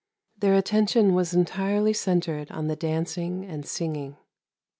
Their attention was entirely centred on the dancing and singing.